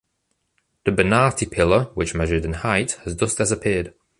The Bonatti pillar, which measured in height, has thus disappeared.